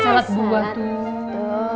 salad buah tuh